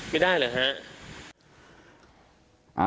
ไม่ได้เหรอฮะ